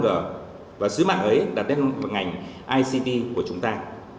năm g và sứ mạng ấy đạt đến ngành ict của chúng ta